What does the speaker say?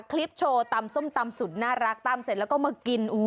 คลิปโชว์ตำส้มตำสุดน่ารักตำเสร็จแล้วก็มากิน